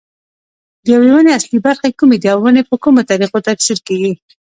د یوې ونې اصلي برخې کومې دي او ونې په کومو طریقو تکثیر کېږي.